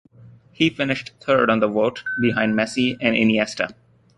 He finished third on the vote, behind Messi and Iniesta.